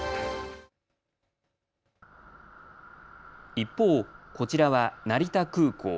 一方、こちらは成田空港。